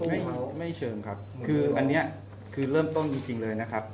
ซื้อเหรียญหุ่นหุ่นหุ่นไม่เชิงครับคืออันเนี้ยคือเริ่มต้นจริงจริงเลยนะครับ